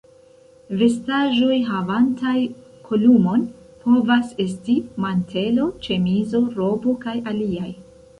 Vestaĵoj havantaj kolumon povas esti: mantelo, ĉemizo, robo kaj aliaj.